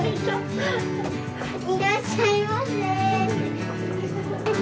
いらっしゃいませ。